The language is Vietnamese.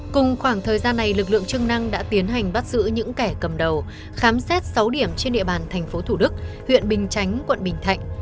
cùng khoảng thời gian này lực lượng chức năng đã tiến hành bắt giữ những kẻ cầm đầu khám xét sáu điểm trên địa bàn thành phố thủ đức huyện bình chánh quận bình thạnh